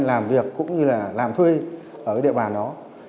làm việc cũng như là làm thuê ở địa bản đó